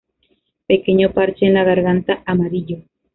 Pequeño parche en la garganta amarillo.